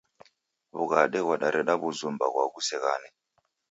W'ughade ghwadareda w'uzumba gwa ghuseng'ane!